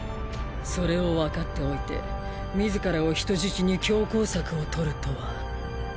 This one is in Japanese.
それをわかっておいて自らを人質に強硬策をとるとは。